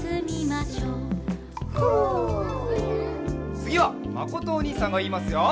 つぎはまことおにいさんがいいますよ。